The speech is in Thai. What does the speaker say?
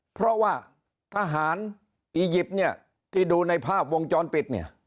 เพราะว่าทหารอียิปต์เนี่ยที่ดูในภาพวงจรปิดเนี่ย